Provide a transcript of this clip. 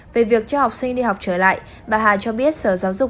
về việc cho học sinh đi học trở lại bà hà cho biết sở giáo dục